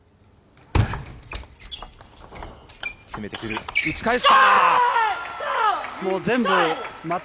攻めてくる、打ち返した。